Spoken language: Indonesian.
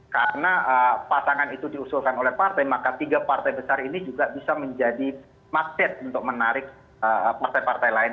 karena pasangan itu diusulkan oleh partai maka tiga partai besar ini juga bisa menjadi maksat untuk menarik partai partai lain